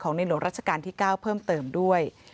ในหลวงราชการที่๙เพิ่มเติมด้วย